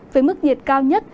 với mức nhiệt cao nhất